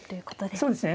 そうですね。